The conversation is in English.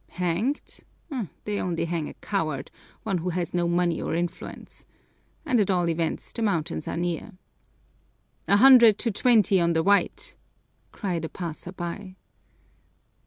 "Hanged? They only hang a coward, one who has no money or influence. And at all events the mountains are near." "A hundred to twenty on the white!" cried a passer by.